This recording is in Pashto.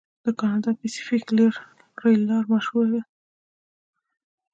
د کاناډا پیسفیک ریل لار مشهوره ده.